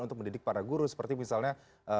untuk mendidik para guru seperti misalnya